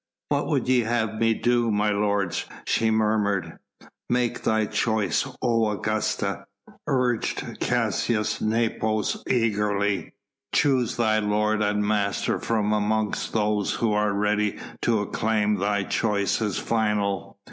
"What would ye have me do, my lords?" she murmured. "Make thy choice, O Augusta!" urged Caius Nepos eagerly. "Choose thy lord and master from among those who are ready to acclaim thy choice as final.